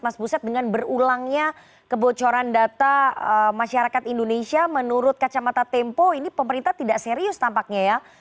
mas buset dengan berulangnya kebocoran data masyarakat indonesia menurut kacamata tempo ini pemerintah tidak serius tampaknya ya